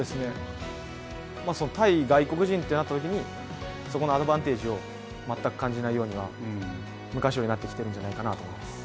対外国人となったときにそこのアドバンテージを全く感じないようには昔よりはなってきているんじゃないかなと思います。